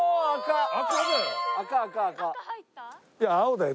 いや青だよ。